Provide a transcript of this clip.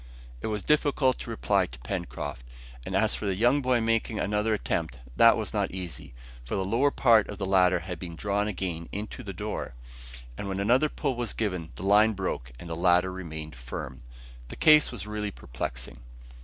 It was difficult to reply to Pencroft, and as for the young boy making another attempt, that was not easy; for the lower part of the ladder had been drawn again into the door, and when another pull was given, the line broke and the ladder remained firm. The case was really perplexing.